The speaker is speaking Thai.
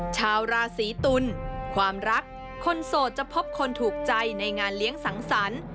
ชาวราศีตุลความรักคนโสดจะพบคนถูกใจในงานเลี้ยงสังสรรค์